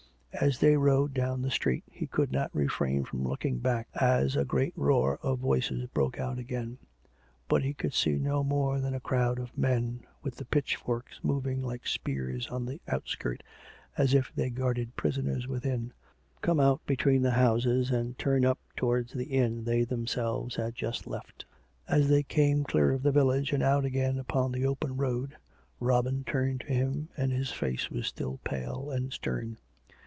As they rode down the street, he could not refrain from looking back, as a great roar of voices broke out again; but he could see no more than a crowd of men, with the pitchforks moving like spears on the out skirt, as if they guarded prisoners within, come out be tween the houses and turn up towards the inn they them selves had just left. As they came clear of the village and out again upon the open road, Robin turned to him, and his face was still pale and stern.